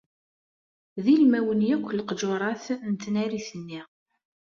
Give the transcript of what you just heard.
D ilmawen akk leqjurat n tnarit-nni.